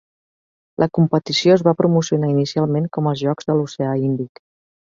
La competició es va promocionar inicialment com els Jocs de l'Oceà Índic.